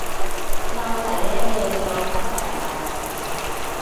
เราใส่ได้เลย เราก็ใส่ไป